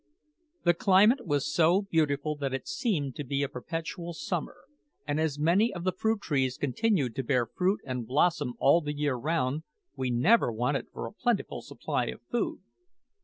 The climate was so beautiful that it seemed to be a perpetual summer, and as many of the fruit trees continued to bear fruit and blossom all the year round, we never wanted for a plentiful supply of food.